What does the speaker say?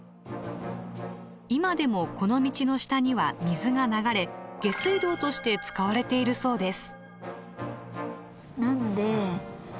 今でもこの道の下には水が流れ下水道として使われているそうです。